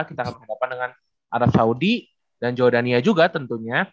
kita akan berhadapan dengan arab saudi dan jordania juga tentunya